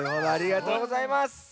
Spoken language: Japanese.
ありがとうございます。